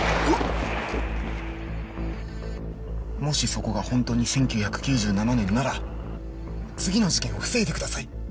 もしそこが本当に１９９７年なら次の事件を防いでください。